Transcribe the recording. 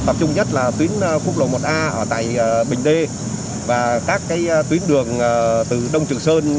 tập trung nhất là tuyến quốc lộ một a ở tại bình đê và các tuyến đường từ đông trường sơn